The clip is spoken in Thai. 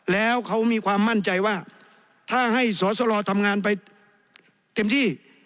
แล้วเขามีความมั่นใจว่าถ้าให้สอสรทำงานไปเต็มที่